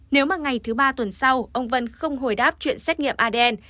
nếu mà ngày thứ ba tuần sau ông vân không hồi đáp chuyện xét nghiệm adn